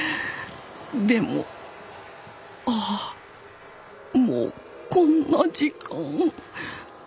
でもああもうこんな時間。